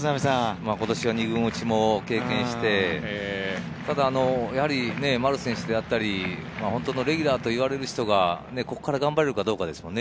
今年は２軍落ちも経験して、ただ、丸選手だったり、レギュラーといわれる人がここから頑張れるかどうかですよね。